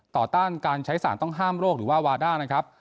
ต้านการใช้สารต้องห้ามโรคหรือว่าวาด้านะครับ